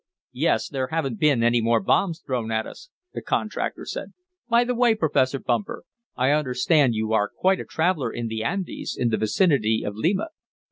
"Yes. There haven't been any more bombs thrown at us," the contractor said. "By the way, Professor Bumper, I understand you are quite a traveler in the Andes, in the vicinity of Lima."